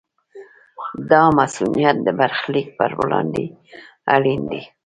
دا مصونیت د برخلیک پر وړاندې اړین دی.